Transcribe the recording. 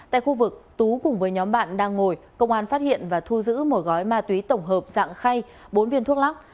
tại khu vực tú cùng với nhóm bạn đang ngồi công an phát hiện và thu giữ một gói ma túy tổng hợp dạng khay bốn viên thuốc lắc